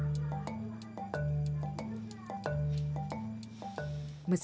meski sebagian besar penduduk belitung adalah orang orang yang berpengalaman